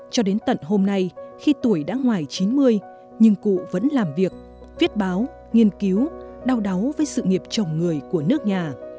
cho đến tận hôm nay khi tuổi đã ngoài chín mươi nhưng cụ vẫn làm việc viết báo nghiên cứu đau đáu với sự nghiệp chồng người của nước nhà